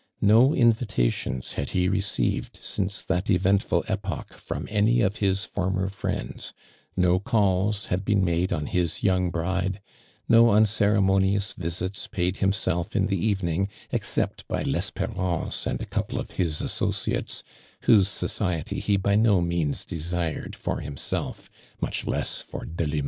No invitations liad he received since that eventful epoch from any of his former friends, no calls had been made on liis young bride, no unceer monioua visits paid himself in tho evening, except by Lesperance and a couple of his associates, whose society tic by no means desired for himself, much less for Delima.